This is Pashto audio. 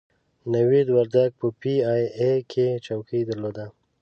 نوید وردګ په پي ای اې کې چوکۍ درلوده.